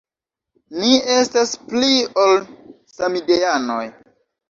Ni estas pli ol samideanoj.